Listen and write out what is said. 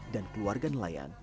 dan keluarga nelayan